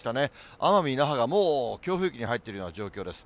奄美、那覇がもう強風域に入っているような状況です。